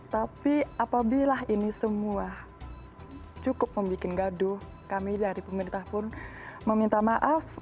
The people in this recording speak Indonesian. tapi apabila ini semua cukup membuat gaduh kami dari pemerintah pun meminta maaf